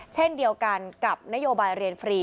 เช่นเดียวกันกับนโยบายเรียนฟรี